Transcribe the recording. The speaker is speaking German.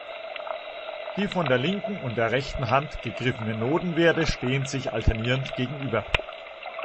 Die von der linken und der rechten Hand gegriffenen Notenwerte stehen sich alternierend gegenüber.